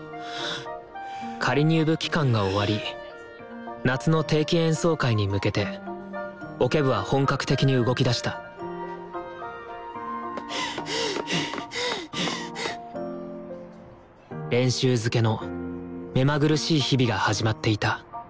仮入部期間が終わり夏の定期演奏会に向けてオケ部は本格的に動きだした練習づけのめまぐるしい日々が始まっていた。